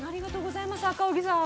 赤荻さん。